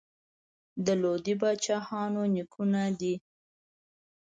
د لودي پاچاهانو نیکونه دي.